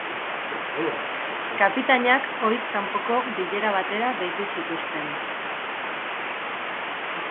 Kapitainak ohiz kanpoko bilera batera deitu zituzten.